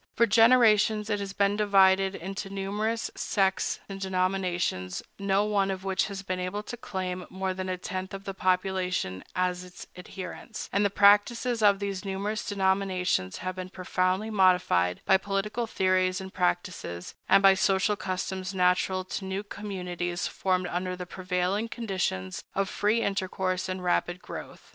For generations it has been divided into numerous sects and denominations, no one of which has been able to claim more than a tenth of the population as its adherents; and the practices of these numerous denominations have been profoundly modified by political theories and practices, and by social customs natural to new communities formed under the prevailing conditions of free intercourse and rapid growth.